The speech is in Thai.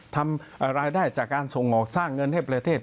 ทำรายได้จากการส่งออกสร้างเงินให้ประเทศ